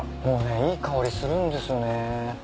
もうねいい香りするんですよね。